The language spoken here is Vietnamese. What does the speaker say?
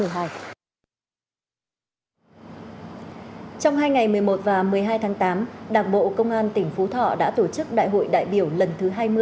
trong hai ngày một mươi một và một mươi hai tháng tám đảng bộ công an tỉnh phú thọ đã tổ chức đại hội đại biểu lần thứ hai mươi